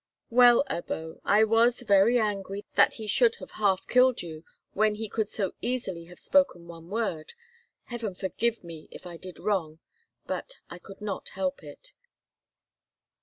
"Well, Ebbo, I was very angry that he should have half killed you when he could so easily have spoken one word. Heaven forgive me if I did wrong, but I could not help it."